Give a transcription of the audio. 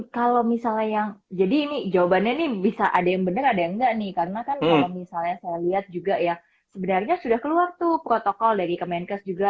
kalau misalnya yang jadi ini jawabannya nih bisa ada yang benar ada yang enggak nih karena kan kalau misalnya saya lihat juga ya sebenarnya sudah keluar tuh protokol dari kemenkes juga